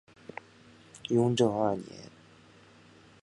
雍正二年。